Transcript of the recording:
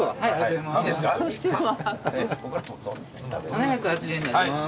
７８０円になります。